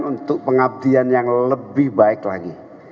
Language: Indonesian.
untuk pengabdian yang lebih baik lagi